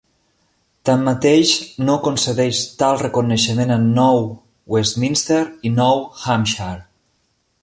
Tanmateix, no concedeix tal reconeixement a Nou Westminster i Nou Hampshire.